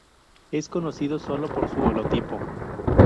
Es conocido solo por su holotipo.